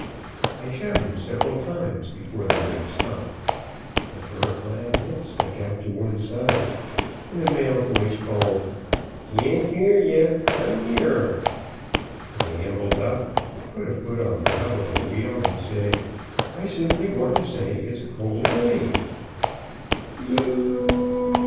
I shouted several times before the rig stopped. A fur clad head stuck out to one side, and a male voice called: "Can't hear ye; come nearer." I ambled up, put a foot on the hub of a wheel, and said, "I simply want to say, it's a cold day." "You